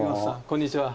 こんにちは。